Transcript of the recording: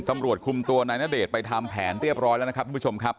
ตำรวจคุมตัวนายณเดชน์ไปทำแผนเรียบร้อยแล้วนะครับทุกผู้ชมครับ